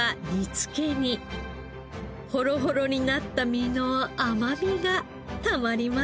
ほろほろになった身の甘みがたまりません。